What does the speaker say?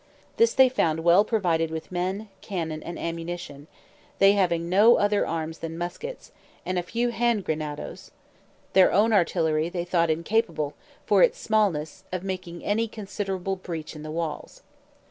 This they found well provided with men, cannon, and ammunition, they having no other arms than muskets, and a few hand granadoes: their own artillery they thought incapable, for its smallness, of making any considerable breach in the walls.